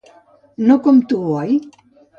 No com tu, oi?